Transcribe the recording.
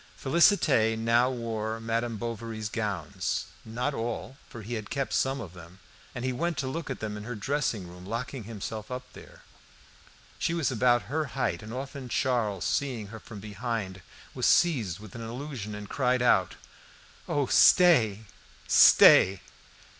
Félicité now wore Madame Bovary's gowns; not all, for he had kept some of them, and he went to look at them in her dressing room, locking himself up there; she was about her height, and often Charles, seeing her from behind, was seized with an illusion, and cried out "Oh, stay, stay!"